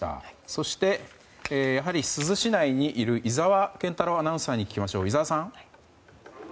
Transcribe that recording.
そして、珠洲市内にいる井澤健太朗アナウンサーに聞きます。